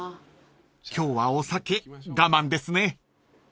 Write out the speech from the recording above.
［今日はお酒我慢ですね］